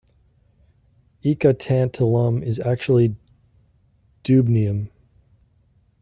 Eka-tantalum is actually dubnium.